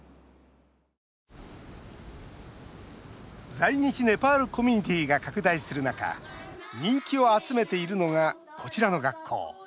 在日ネパールコミュニティーが拡大する中人気を集めているのがこちらの学校。